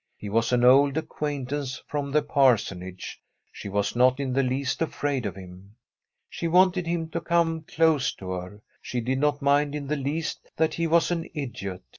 He was an old acquaintance from the parsonage ; she was not in the least afraid of him. She wanted him to come close to her. She did not mind in the least that he was an idiot.